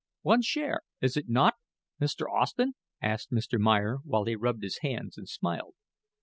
"One share, is it not, Mr. Austen?" asked Mr. Meyer, while he rubbed his hands and smiled.